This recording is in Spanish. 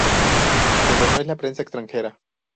Pero no es la prensa extranjera.